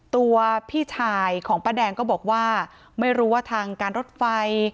ตัวพี่ชายของป้าแดงก็บอกว่าไม่รู้ว่าทางการรถไฟ